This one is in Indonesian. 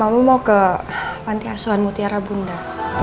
kamu mau ke panti asuhan mutiara bunda